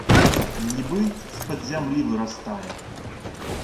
Нібы з-пад зямлі вырастае.